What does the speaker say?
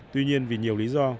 tuy nhiên vì nhiều lý do